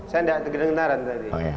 saya gak kedengeran tadi